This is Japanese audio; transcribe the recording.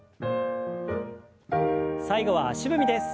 最後は足踏みです。